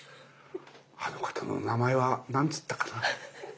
あの方のお名前は何て言ったかな？